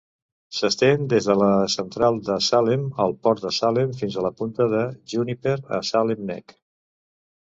S'estén des de la central de Salem al port de Salem fins a la punta de Juniper a Salem Neck.